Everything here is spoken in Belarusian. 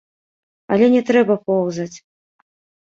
Але не трэба поўзаць.